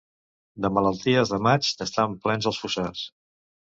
De malalties de maig n'estan plens els fossars.